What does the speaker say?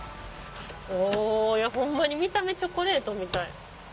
おホンマに見た目チョコレートみたい。